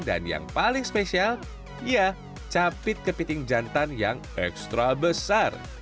dan yang paling spesial ya capit kepiting jantan yang ekstra besar